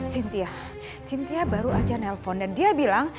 sintia sintia baru aja nelpon dan dia bilang